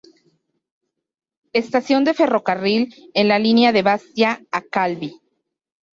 Estación de ferrocarril en la línea de Bastia a Calvi.